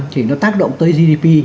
thì nó tác động tới gdp